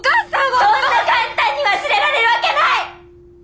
そんな簡単に忘れられるわけない！